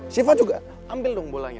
siva juga ambil dong bolanya